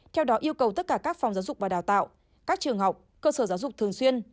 theo đó yêu cầu tất cả các phòng giáo dục và đào tạo các trường học cơ sở giáo dục thường xuyên